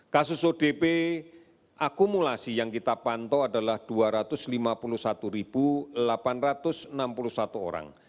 kasus odp akumulasi yang kita pantau adalah dua ratus lima puluh satu delapan ratus enam puluh satu orang